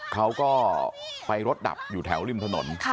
เขาก็ไปรถดับอยู่แถวริมถนน